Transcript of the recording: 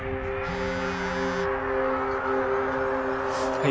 はい。